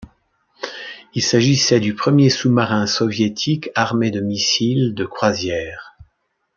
Il s'agissait du premier sous-marin soviétique armé de missiles de croisière.